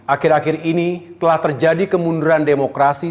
akhir akhir ini telah terjadi kemunduran demokrasi